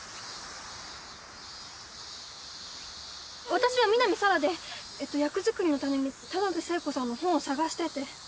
私は南沙良で役作りのために田辺聖子さんの本を探してて。